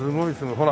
ほら。